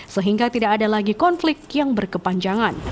sehingga tidak ada lagi konflik yang berkepanjangan